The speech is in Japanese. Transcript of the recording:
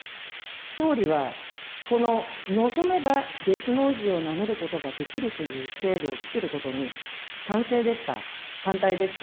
総理は、この望めば別の氏を名乗ることができるという制度をつくることに、賛成ですか、反対ですか。